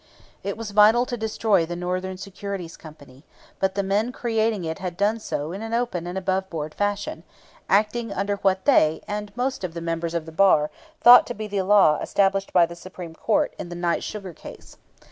It was vital to destroy the Northern Securities Company; but the men creating it had done so in open and above board fashion, acting under what they, and most of the members of the bar, thought to be the law established by the Supreme Court in the Knight sugar case.